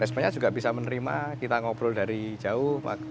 responnya juga bisa menerima kita ngobrol dari jauh